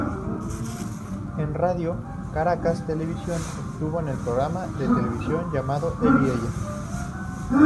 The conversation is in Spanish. En Radio Caracas Televisión Estuvo en el programa de televisión llamado "Él y Ella"".